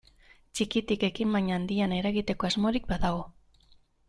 Txikitik ekin baina handian eragiteko asmorik badago.